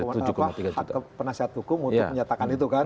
itu tentang kebenaran apa hak penasehat hukum untuk menyatakan itu kan